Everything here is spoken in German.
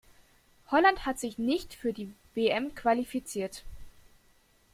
Holland hat sich nicht für die WM qualifiziert.